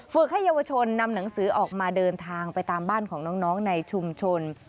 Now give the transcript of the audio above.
ให้เยาวชนนำหนังสือออกมาเดินทางไปตามบ้านของน้องในชุมชน